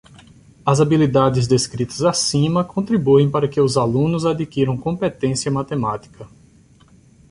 As habilidades descritas acima contribuem para que os alunos adquiram competência matemática.